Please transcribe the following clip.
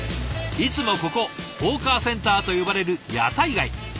いつもここホーカーセンターと呼ばれる屋台街。